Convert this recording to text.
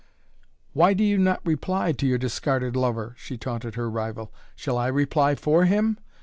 "Why do you not reply to your discarded lover?" she taunted her rival. "Shall I reply for him?